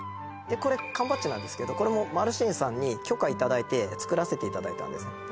これ缶バッジなんですけどこれもマルシンさんに許可いただいて作らせていただいたんですね